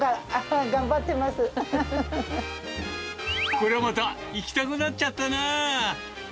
こりゃまた行きたくなっちゃったな。